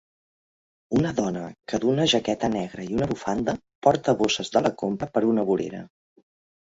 Una dona que duu una jaqueta negra i una bufanda porta bosses de la compra per una vorera.